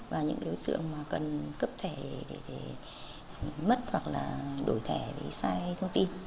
và những đối tượng cần cấp thẻ để mất hoặc là đổi thẻ để xài thông tin